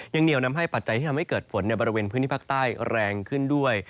เหนียวนำให้ปัจจัยที่ทำให้เกิดฝนในบริเวณพื้นที่ภาคใต้แรงขึ้นด้วย